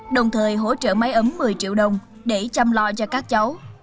đồng thời hỗ trợ máy ấm một mươi triệu đồng để chăm lo cho các cháu